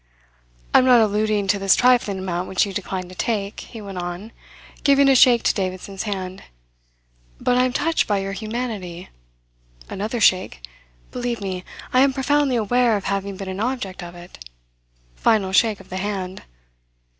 "I am not alluding to this trifling amount which you decline to take," he went on, giving a shake to Davidson's hand. "But I am touched by your humanity." Another shake. "Believe me, I am profoundly aware of having been an object of it." Final shake of the hand.